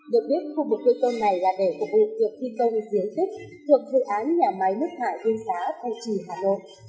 được biết khu vực quê tôn này là để phục vụ việc thi công diễn tích thuộc dự án nhà máy nước hải du xá thay trì hà nội